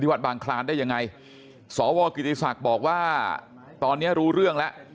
วัดบางคลานได้ยังไงสวกิติศักดิ์บอกว่าตอนนี้รู้เรื่องแล้ว